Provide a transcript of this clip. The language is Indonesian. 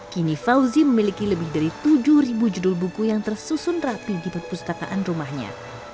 kini fauzi memiliki lebih dari tujuh judul buku yang tersusun rapi di perpustakaan rumahnya